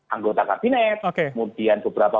anggota kabinet kemudian beberapa